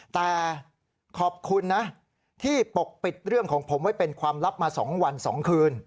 แต่ขอบคุณนะที่ปกปิดเรื่องของผมไว้เป็นความลับมา๒วัน๒คืน